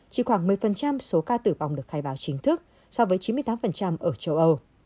chỉ khoảng một mươi số ca tử vong được khai báo chính thức so với chín mươi tám ở châu âu